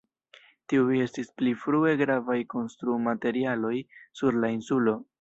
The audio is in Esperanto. Tiuj estis pli frue gravaj konstrumaterialoj sur la insulo.